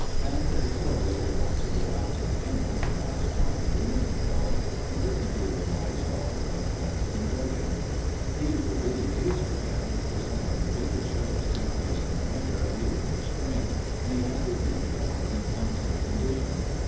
And so they were wont to go out to the kennels and watch Tom grooming the dogs and listen to his wise talk about points and judging. These were busy days for him, for some of the biggest shows take place in the winter and the early spring, and he had to keep the dogs in constant condition.